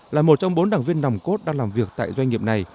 là một trong bốn đảng viên nòng cốt đang làm việc tại doanh nghiệp này